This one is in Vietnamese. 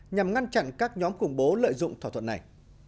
nhằm ngăn chặn các nhóm khủng bố lợi dụng thỏa thuận này